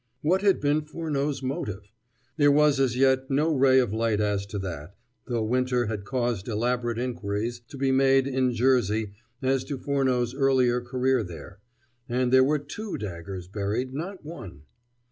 What had been Furneaux's motive? There was as yet no ray of light as to that, though Winter had caused elaborate inquiries to be made in Jersey as to Furneaux's earlier career there. And there were two daggers buried, not one....